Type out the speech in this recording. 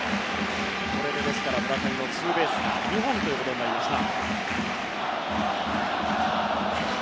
これで村上のツーベースが２本となりました。